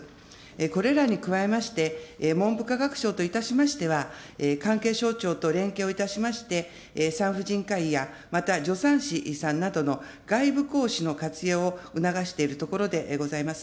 これらに加えまして、文部科学省といたしましては、関係省庁と連携をいたしまして、産婦人科医や、また助産師さんなどの外部講師の活用を促しているところでございます。